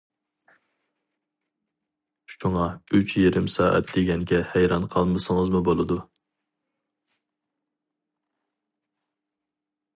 شۇڭا ئۈچ يېرىم سائەت دېگەنگە ھەيران قالمىسىڭىزمۇ بولىدۇ.